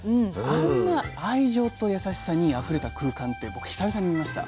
あんな愛情と優しさにあふれた空間って僕久々に見ました。